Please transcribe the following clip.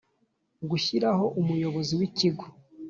Gushyiraho Umuyobozi w Ikigo